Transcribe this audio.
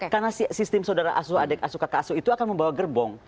karena sistem saudara asuh adik asuh kakak asuh itu akan membawa gerbong